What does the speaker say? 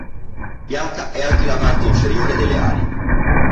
Bianca è anche la parte inferiore delle ali.